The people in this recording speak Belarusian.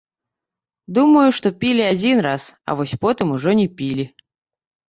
Думаю, што пілі адзін раз, а вось потым ужо не пілі.